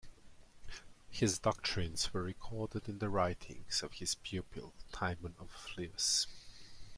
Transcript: His doctrines were recorded in the writings of his pupil Timon of Phlius.